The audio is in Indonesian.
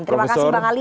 terima kasih bang ali